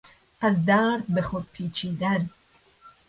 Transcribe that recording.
از درد به خود پیچیدن